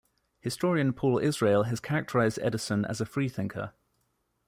Historian Paul Israel has characterized Edison as a "freethinker".